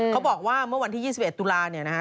เขาบอกว่าเมื่อวันที่๒๑ตุลาเนี่ยนะฮะ